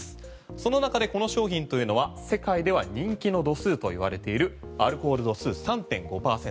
その中でこの商品というのは世界では人気の度数と言われているアルコール度数３．５％。